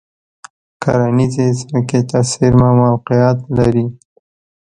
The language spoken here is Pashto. کرنیزې ځمکې ته څېرمه موقعیت لري.